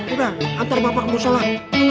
udah antar bapak mau sholat